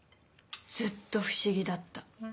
ずっと不思議だった。